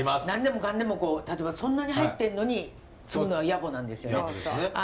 何でもかんでも例えばそんなに入ってんのにつぐのは野暮なんですよね。